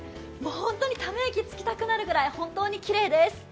本当にため息つきたくなるくらいきれいです。